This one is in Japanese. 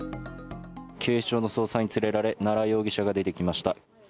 警視庁の捜査員に連れられ奈良容疑者が出てきました。